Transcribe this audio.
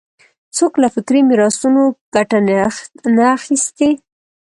څوک له فکري میراثونو ګټه نه اخیستی